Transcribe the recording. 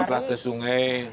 lepas itu ke sungai